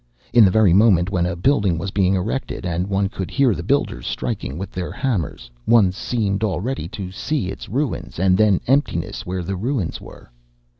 In the very moment when a building was being erected and one could hear the builders striking with their hammers, one seemed already to see its ruins, and then emptiness where the ruins were_.